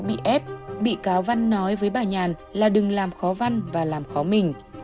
bị ép bị cáo văn nói với bà nhàn là đừng làm khó văn và làm khó mình